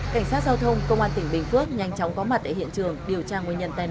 cảnh sát giao thông công an tỉnh bình phước nhanh chóng có mặt tại hiện trường điều tra nguyên nhân tai nạn